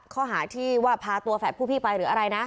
ข้อหาที่ว่าพาตัวแฝดผู้พี่ไปหรืออะไรนะ